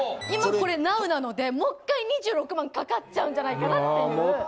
今これなうなのでもっかい２６万かかっちゃうんじゃないかなっていう。